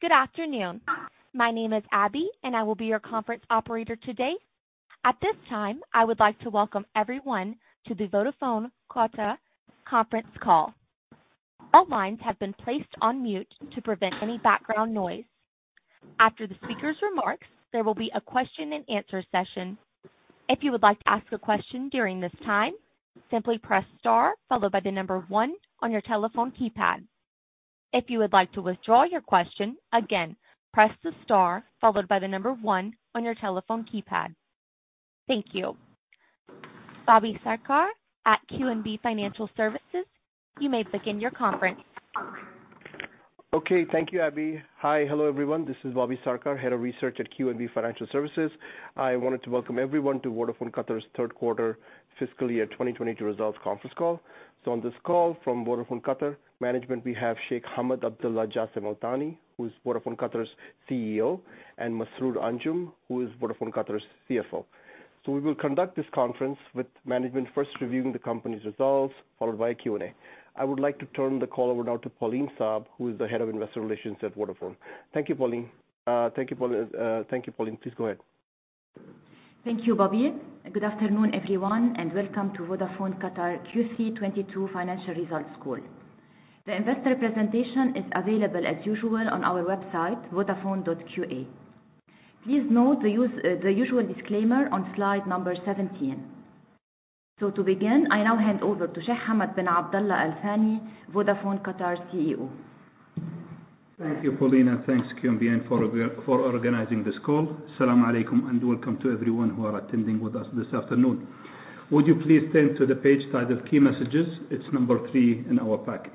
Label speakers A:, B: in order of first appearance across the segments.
A: Good afternoon. My name is Abby, and I will be your conference operator today. At this time, I would like to welcome everyone to the Vodafone Qatar conference call. All lines have been placed on mute to prevent any background noise. After the speaker's remarks, there will be a question and answer session. If you would like to ask a question during this time, simply press Star followed by the number one on your telephone keypad. If you would like to withdraw your question again, press the Star followed by the number one on your telephone keypad. Thank you. Bobby Sarkar at QNB Financial Services, you may begin your conference.
B: Okay. Thank you, Abby. Hi. Hello, everyone. This is Bobby Sarkar, Head of Research at QNB Financial Services. I wanted to welcome everyone to Vodafone Qatar's Q3 fiscal year 2022 results conference call. On this call from Vodafone Qatar management, we have Sheikh Hamad bin Abdullah Al Thani who is Vodafone Qatar's CEO, and Masroor Anjum, who is Vodafone Qatar's CFO. We will conduct this conference with management first reviewing the company's results followed by Q&A. I would like to turn the call over now to Pauline Abi Saab, who is the Head of Investor Relations at Vodafone Qatar. Thank you, Pauline. Please go ahead.
C: Thank you, Bobby. Good afternoon, everyone, and welcome to Vodafone Qatar Q2 2022 financial results call. The investor presentation is available as usual on our website, vodafone.qa. Please note the usual disclaimer on slide number 17. To begin, I now hand over to Sheikh Hamad bin Abdullah Al Thani, Vodafone Qatar CEO.
D: Thank you, Pauline, and thanks QNB for organizing this call. As-salamu alaykum, and welcome to everyone who are attending with us this afternoon. Would you please turn to the page titled Key Messages. It's number three in our pack.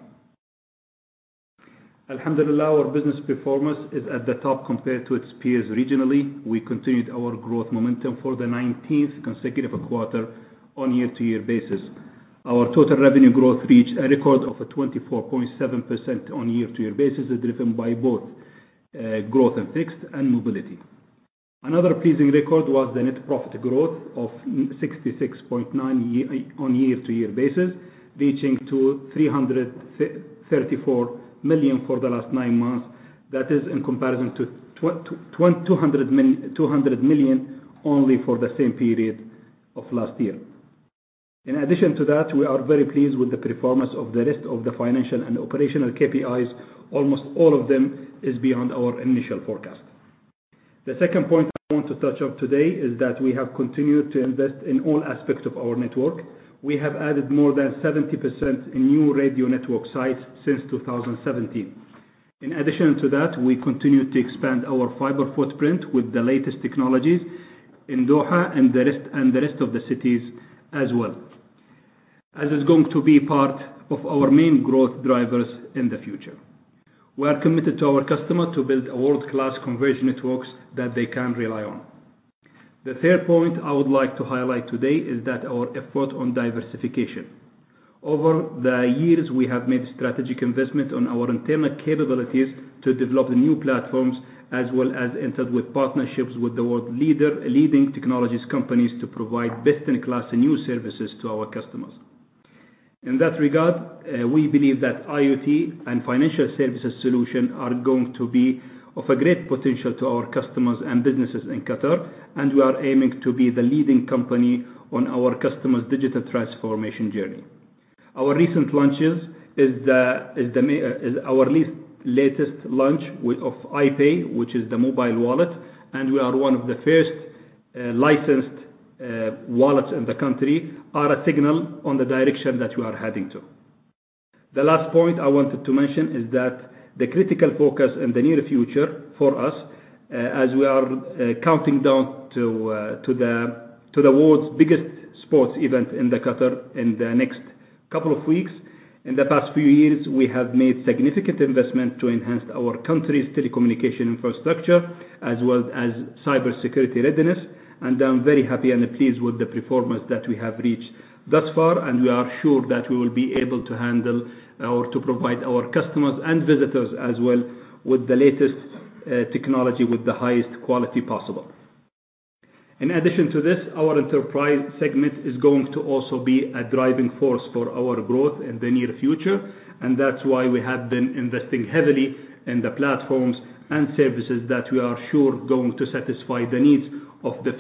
D: Alhamdulillah, our business performance is at the top compared to its peers regionally. We continued our growth momentum for the 19th consecutive quarter on year-over-year basis. Our total revenue growth reached a record of 24.7% on year-over-year basis, driven by both growth and fixed and mobile. Another pleasing record was the net profit growth of 66.9% on year-over-year basis, reaching to 334 million for the last nine months. That is in comparison to 200 million only for the same period of last year. In addition to that, we are very pleased with the performance of the rest of the financial and operational KPIs. Almost all of them is beyond our initial forecast. The second point I want to touch on today is that we have continued to invest in all aspects of our network. We have added more than 70% in new radio network sites since 2017. In addition to that, we continue to expand our fiber footprint with the latest technologies in Doha and the rest, and the rest of the cities as well, as is going to be part of our main growth drivers in the future. We are committed to our customer to build a world-class converged networks that they can rely on. The third point I would like to highlight today is that our effort on diversification. Over the years, we have made strategic investment on our internal capabilities to develop the new platforms as well as entered with partnerships with the world-leading technologies companies to provide best-in-class new services to our customers. In that regard, we believe that IoT and financial services solution are going to be of a great potential to our customers and businesses in Qatar, and we are aiming to be the leading company on our customers' digital transformation journey. Our recent launches is our latest launch of iPay, which is the mobile wallet, and we are one of the first licensed wallets in the country, are a signal on the direction that we are heading to. The last point I wanted to mention is that the critical focus in the near future for us, as we are counting down to the world's biggest sports event in Qatar in the next couple of weeks. In the past few years, we have made significant investment to enhance our country's telecommunications infrastructure as well as cybersecurity readiness. I'm very happy and pleased with the performance that we have reached thus far, and we are sure that we will be able to handle or to provide our customers and visitors as well with the latest technology with the highest quality possible. In addition to this, our enterprise segment is going to also be a driving force for our growth in the near future, and that's why we have been investing heavily in the platforms and services that we are sure going to satisfy the needs of the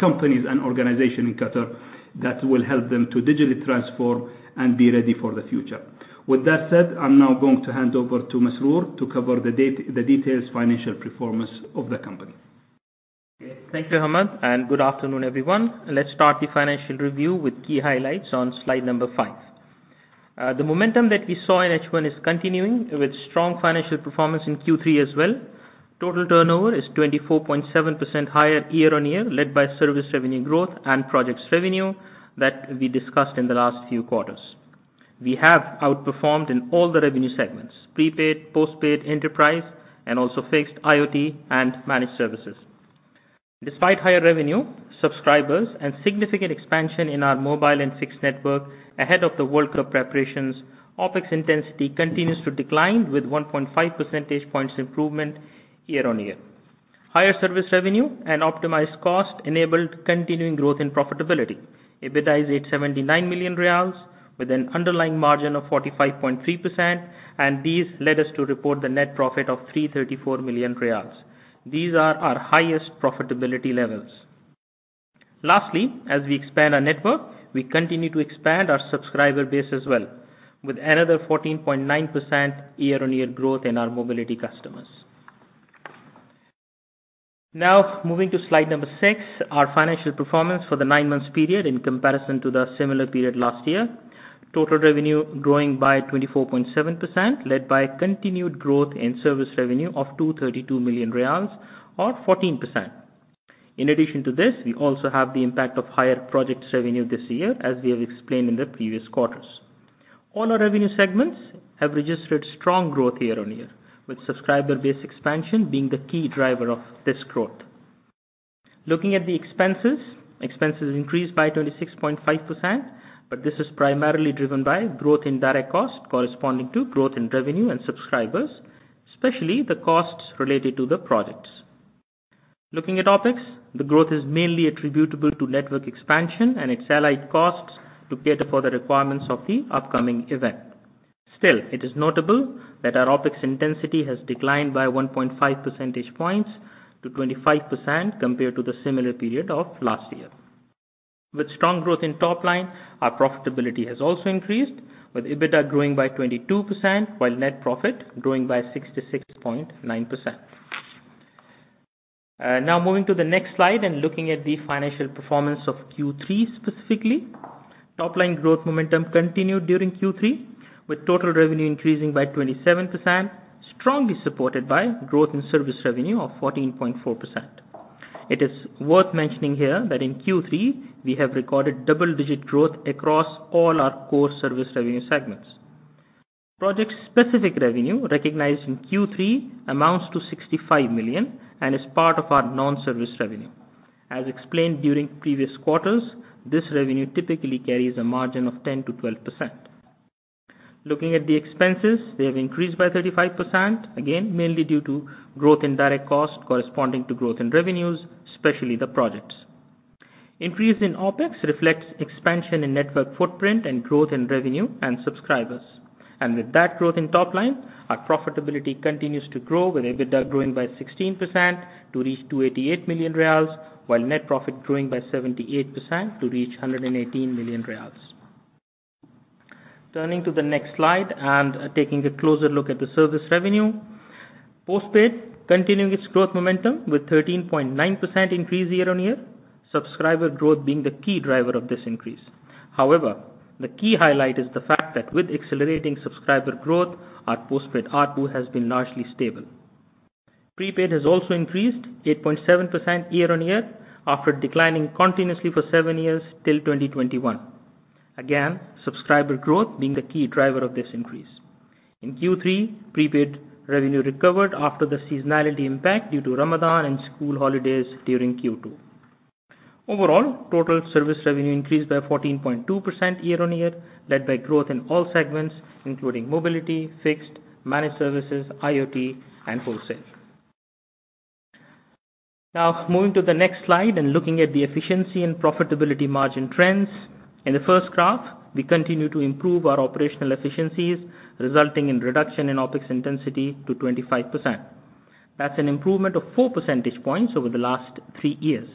D: companies and organizations in Qatar that will help them to digitally transform and be ready for the future. With that said, I'm now going to hand over to Masroor to cover the detailed financial performance of the company.
E: Okay. Thank you, Hamad, and good afternoon, everyone. Let's start the financial review with key highlights on slide number five. The momentum that we saw in H1 is continuing with strong financial performance in Q3 as well. Total turnover is 24.7% higher year-on-year, led by service revenue growth and projects revenue that we discussed in the last few quarters. We have outperformed in all the revenue segments: prepaid, postpaid, enterprise, and also fixed IoT and managed services. Despite higher revenue, subscribers and significant expansion in our mobile and fixed network ahead of the World Cup preparations, OpEx intensity continues to decline with 1.5 percentage points improvement year-on-year. Higher service revenue and optimized cost enabled continuing growth and profitability. EBITDA is 79 million riyals with an underlying margin of 45.3%, and these led us to report the net profit of 334 million riyals. These are our highest profitability levels. Lastly, as we expand our network, we continue to expand our subscriber base as well, with another 14.9% year-on-year growth in our mobility customers. Now moving to slide number six, our financial performance for the nine months period in comparison to the similar period last year. Total revenue growing by 24.7%, led by continued growth in service revenue of 232 million riyals or 14%. In addition to this, we also have the impact of higher projects revenue this year, as we have explained in the previous quarters. All our revenue segments have registered strong growth year-on-year, with subscriber base expansion being the key driver of this growth. Looking at the expenses. Expenses increased by 26.5%, but this is primarily driven by growth in direct costs corresponding to growth in revenue and subscribers, especially the costs related to the projects. Looking at OpEx, the growth is mainly attributable to network expansion and its allied costs to cater for the requirements of the upcoming event. Still, it is notable that our OpEx intensity has declined by 1.5 percentage points to 25% compared to the similar period of last year. With strong growth in top line, our profitability has also increased with EBITDA growing by 22%, while net profit growing by 66.9%. Now moving to the next slide and looking at the financial performance of Q3 specifically. Top line growth momentum continued during Q3, with total revenue increasing by 27%, strongly supported by growth in service revenue of 14.4%. It is worth mentioning here that in Q3 we have recorded double-digit growth across all our core service revenue segments. Project specific revenue recognized in Q3 amounts to 65 million and is part of our non-service revenue. As explained during previous quarters, this revenue typically carries a margin of 10%-12%. Looking at the expenses, they have increased by 35%, again, mainly due to growth in direct cost corresponding to growth in revenues, especially the projects. Increase in OpEx reflects expansion in network footprint and growth in revenue and subscribers. With that growth in top line, our profitability continues to grow, with EBITDA growing by 16% to reach 288 million riyals, while net profit growing by 78% to reach 118 million riyals. Turning to the next slide and taking a closer look at the service revenue. Postpaid continuing its growth momentum with 13.9% increase year-on-year. Subscriber growth being the key driver of this increase. However, the key highlight is the fact that with accelerating subscriber growth, our postpaid ARPU has been largely stable. Prepaid has also increased 8.7% year-on-year after declining continuously for seven years till 2021. Again, subscriber growth being the key driver of this increase. In Q3, prepaid revenue recovered after the seasonality impact due to Ramadan and school holidays during Q2. Overall, total service revenue increased by 14.2% year-on-year, led by growth in all segments including mobility, fixed, managed services, IoT and wholesale. Now moving to the next slide and looking at the efficiency and profitability margin trends. In the first graph, we continue to improve our operational efficiencies, resulting in reduction in OpEx intensity to 25%. That's an improvement of 4 percentage points over the last three years.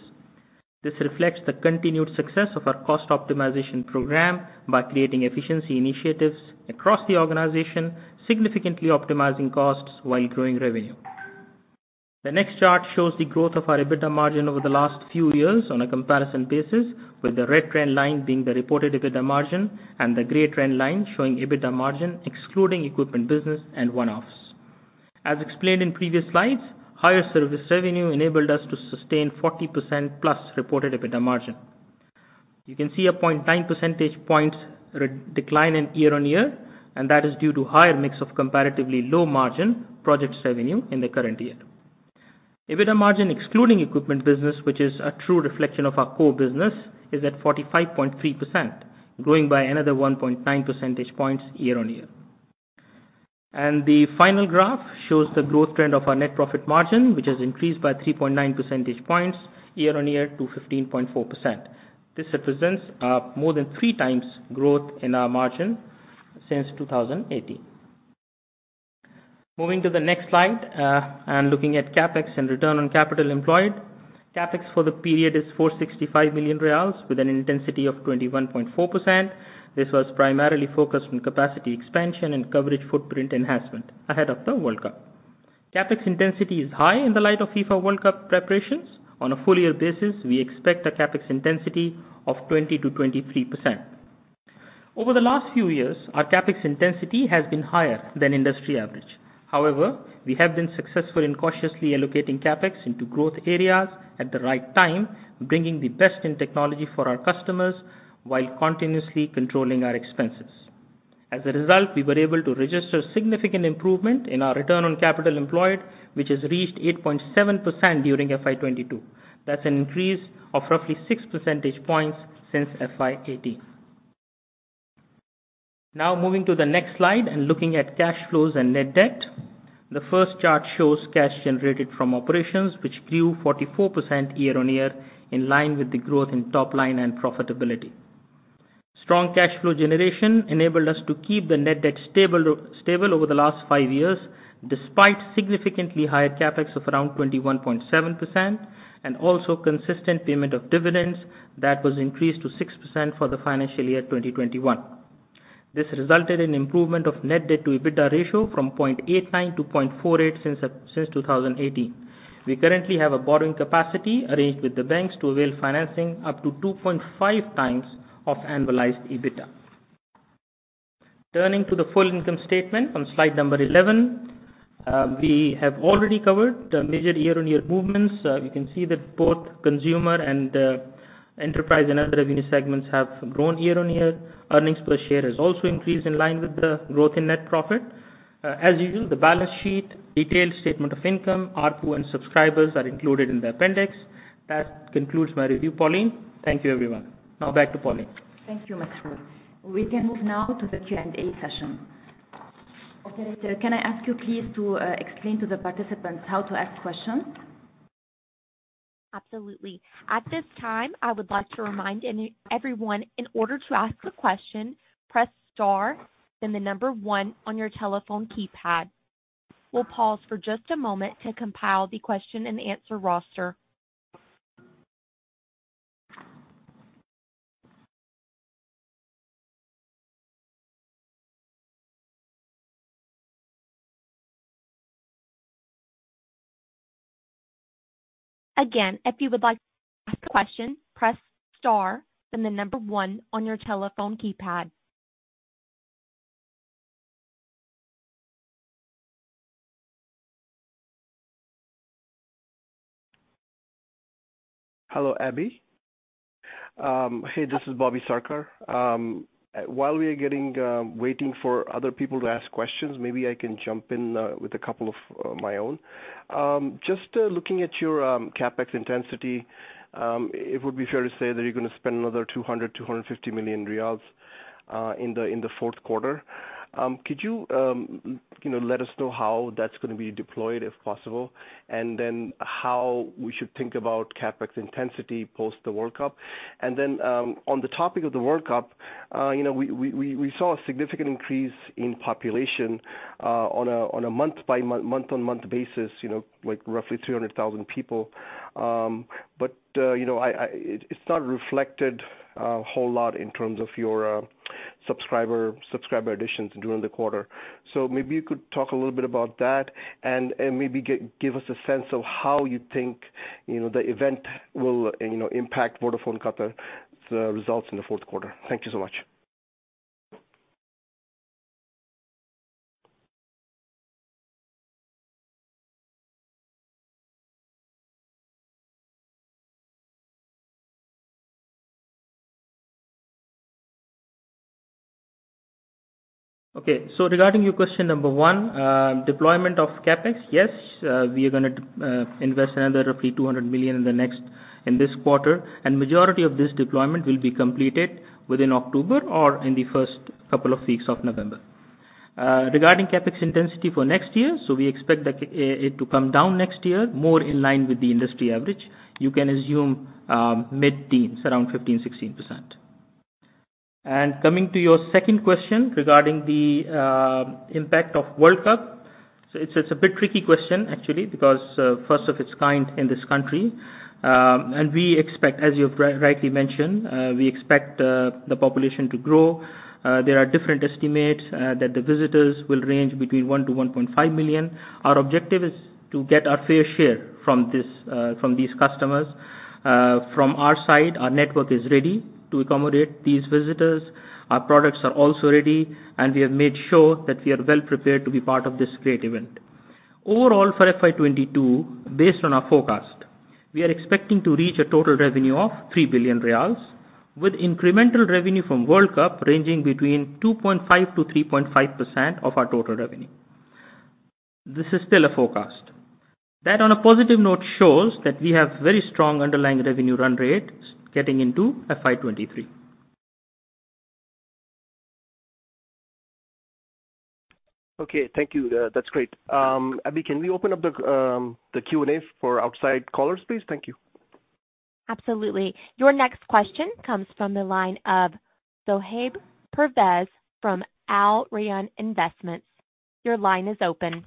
E: This reflects the continued success of our cost optimization program by creating efficiency initiatives across the organization, significantly optimizing costs while growing revenue. The next chart shows the growth of our EBITDA margin over the last few years on a comparison basis with the red trend line being the reported EBITDA margin and the gray trend line showing EBITDA margin excluding equipment, business and one-offs. As explained in previous slides, higher service revenue enabled us to sustain 40%+ reported EBITDA margin. You can see a 0.9 percentage points re-decline in year-on-year, and that is due to higher mix of comparatively low margin projects revenue in the current year. EBITDA margin excluding equipment business, which is a true reflection of our core business, is at 45.3%, growing by another 1.9 percentage points year-on-year. The final graph shows the growth trend of our net profit margin, which has increased by 3.9 percentage points year-on-year to 15.4%. This represents, more than three times growth in our margin since 2018. Moving to the next slide, and looking at CapEx and return on capital employed. CapEx for the period is 465 million riyals with an intensity of 21.4%. This was primarily focused on capacity expansion and coverage footprint enhancement ahead of the World Cup. CapEx intensity is high in the light of FIFA World Cup preparations. On a full year basis, we expect a CapEx intensity of 20%-23%. Over the last few years, our CapEx intensity has been higher than industry average. However, we have been successful in cautiously allocating CapEx into growth areas at the right time, bringing the best in technology for our customers while continuously controlling our expenses. As a result, we were able to register significant improvement in our return on capital employed, which has reached 8.7% during FY 2022. That's an increase of roughly 6 percentage points since FY 2018. Now moving to the next slide and looking at cash flows and net debt. The first chart shows cash generated from operations, which grew 44% year-on-year in line with the growth in top line and profitability. Strong cash flow generation enabled us to keep the net debt stable over the last five years, despite significantly higher CapEx of around 21.7% and also consistent payment of dividends that was increased to 6% for the financial year 2021. This resulted in improvement of net debt to EBITDA ratio from 0.89 to 0.48 since 2018. We currently have a borrowing capacity arranged with the banks to avail financing up to 2.5 times of annualized EBITDA. Turning to the full income statement on slide number 11. We have already covered the major year-on-year movements. You can see that both consumer and enterprise and other revenue segments have grown year-on-year. Earnings per share has also increased in line with the growth in net profit. As usual, the balance sheet, detailed statement of income, ARPU, and subscribers are included in the appendix. That concludes my review, Pauline. Thank you, everyone. Now back to Pauline.
C: Thank you, Masroor. We can move now to the Q&A session. Operator, can I ask you please to explain to the participants how to ask questions?
A: Absolutely. At this time, I would like to remind everyone, in order to ask a question, press star then the number one on your telephone keypad. We'll pause for just a moment to compile the question and answer roster. Again, if you would like to ask a question, press star then the number one on your telephone keypad.
B: Hello, Abby. Hey, this is Bobby Sarkar. While we are waiting for other people to ask questions, maybe I can jump in with a couple of my own. Just looking at your CapEx intensity, it would be fair to say that you're gonna spend another 200 million-250 million riyals in the Q4. Could you know, let us know how that's gonna be deployed if possible, and then how we should think about CapEx intensity post the World Cup? On the topic of the World Cup, you know, we saw a significant increase in population on a month-on-month basis, you know, like roughly 300,000 people. You know, I... It's not reflected a whole lot in terms of your subscriber additions during the quarter. Maybe you could talk a little bit about that and maybe give us a sense of how you think, you know, the event will, you know, impact Vodafone Qatar, the results in the Q4. Thank you so much.
E: Okay. Regarding your question number one, deployment of CapEx. Yes, we are gonna invest another roughly 200 million in this quarter, and majority of this deployment will be completed within October or in the first couple of weeks of November. Regarding CapEx intensity for next year, we expect it to come down next year, more in line with the industry average. You can assume mid-teens, around 15, 16%. Coming to your second question regarding the impact of World Cup. It's a bit tricky question actually, because first of its kind in this country. We expect, as you've rightly mentioned, the population to grow. There are different estimates that the visitors will range between 1-1.5 million. Our objective is to get our fair share from this, from these customers. From our side, our network is ready to accommodate these visitors. Our products are also ready, and we have made sure that we are well prepared to be part of this great event. Overall, for FY 2022, based on our forecast, we are expecting to reach a total revenue of 3 billion riyals, with incremental revenue from World Cup ranging between 2.5%-3.5% of our total revenue. This is still a forecast. That, on a positive note, shows that we have very strong underlying revenue run rates getting into FY 2023.
B: Okay. Thank you. That's great. Abby, can we open up the Q&A for outside callers, please? Thank you.
A: Absolutely. Your next question comes from the line of Zohaib Pervez from Al Rayan Investment. Your line is open.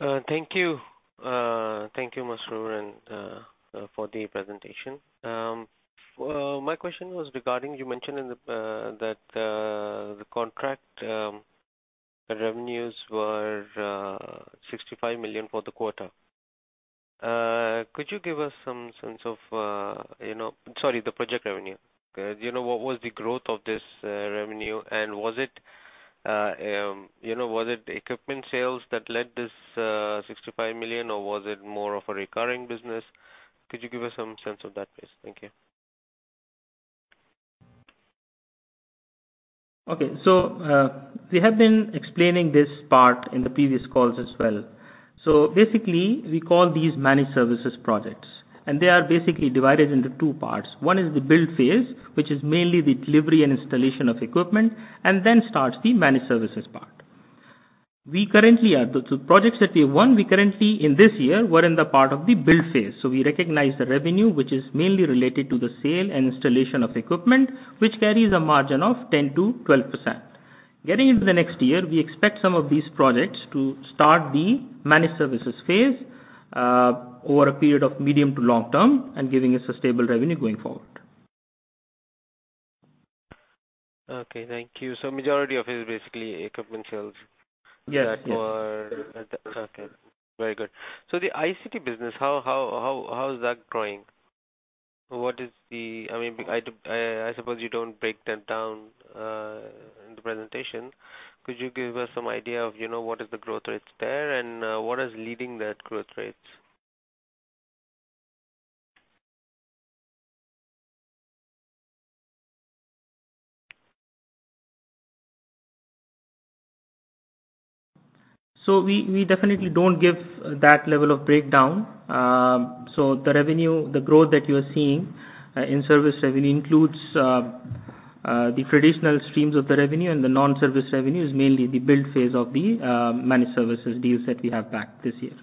F: Thank you, Masroor, and for the presentation. My question was regarding, you know, you mentioned that the project revenues were 65 million for the quarter. Could you give us some sense of, you know, the project revenue. You know, what was the growth of this revenue? And was it, you know, equipment sales that led this 65 million, or was it more of a recurring business? Could you give us some sense of that, please? Thank you.
E: Okay. We have been explaining this part in the previous calls as well. Basically we call these managed services projects, and they are basically divided into two parts. One is the build phase, which is mainly the delivery and installation of equipment, and then starts the managed services part. The projects that we won, we currently in this year were in the part of the build phase. We recognize the revenue, which is mainly related to the sale and installation of equipment, which carries a margin of 10%-12%. Getting into the next year, we expect some of these projects to start the managed services phase, over a period of medium to long term and giving us a stable revenue going forward.
F: Okay, thank you. Majority of it is basically equipment sales.
E: Yes. Yes.
F: Okay. Very good. The ICT business, how is that growing? What is the, I mean, I suppose you don't break that down in the presentation. Could you give us some idea of, you know, what is the growth rates there and what is leading that growth rates?
E: We definitely don't give that level of breakdown. The revenue, the growth that you're seeing in service revenue includes the traditional streams of the revenue and the non-service revenue is mainly the build phase of the managed services deals that we have backed this year.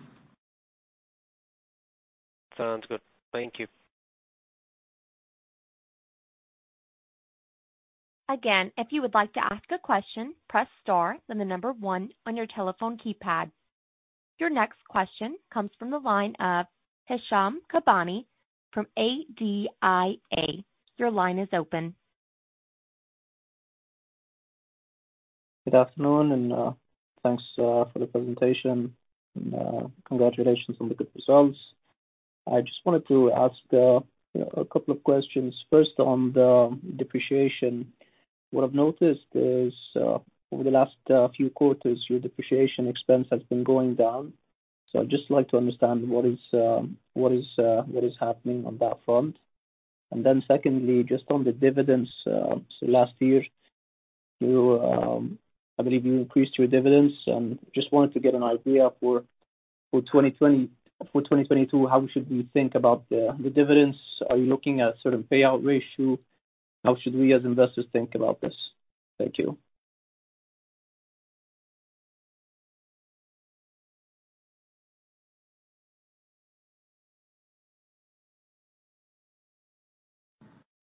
F: Sounds good. Thank you.
A: Again, if you would like to ask a question, press star, then the number one on your telephone keypad. Your next question comes from the line of Hisham Kabbani from ADIA. Your line is open.
G: Good afternoon, thanks for the presentation and congratulations on the good results. I just wanted to ask a couple of questions. First, on the depreciation. What I've noticed is over the last few quarters, your depreciation expense has been going down. I'd just like to understand what is happening on that front. Secondly, just on the dividends, last year I believe you increased your dividends and just wanted to get an idea for 2020, for 2022, how should we think about the dividends? Are you looking at sort of payout ratio? How should we as investors think about this? Thank you.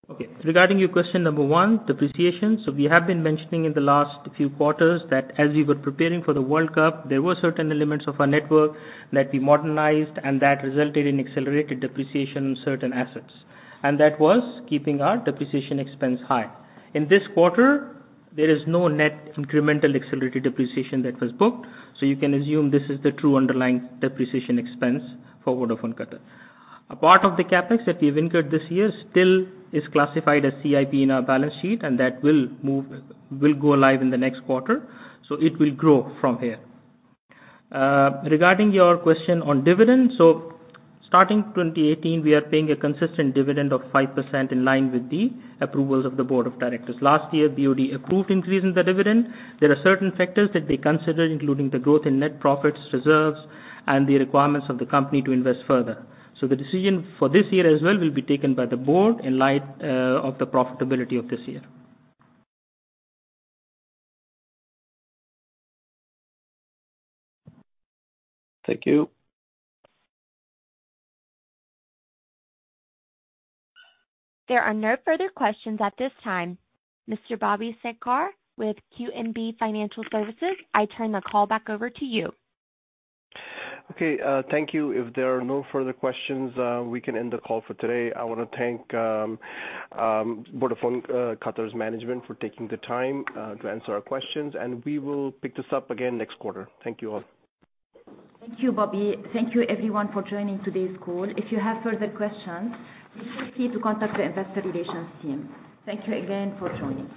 E: Okay. Regarding your question number one, depreciation. We have been mentioning in the last few quarters that as we were preparing for the World Cup, there were certain elements of our network that we modernized and that resulted in accelerated depreciation in certain assets. That was keeping our depreciation expense high. In this quarter, there is no net incremental accelerated depreciation that was booked. You can assume this is the true underlying depreciation expense for Vodafone Qatar. A part of the CapEx that we've incurred this year still is classified as CIP in our balance sheet, and that will move, will go live in the next quarter. It will grow from here. Regarding your question on dividends. Starting 2018, we are paying a consistent dividend of 5% in line with the approvals of the board of directors. Last year, BOD approved increase in the dividend. There are certain factors that they consider, including the growth in net profits, reserves, and the requirements of the company to invest further. The decision for this year as well will be taken by the board in light of the profitability of this year.
G: Thank you.
A: There are no further questions at this time. Mr. Bobby Sarkar with QNB Financial Services, I turn the call back over to you.
B: Okay, thank you. If there are no further questions, we can end the call for today. I wanna thank Vodafone Qatar's management for taking the time to answer our questions, and we will pick this up again next quarter. Thank you all.
E: Thank you, Bobby. Thank you everyone for joining today's call. If you have further questions, feel free to contact the investor relations team. Thank you again for joining.